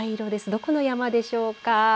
どこの山でしょうか。